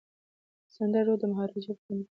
د سند رود د مهاراجا په کنټرول کي و.